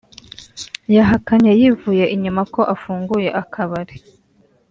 yahakanye yivuye inyuma ko afunguye akabari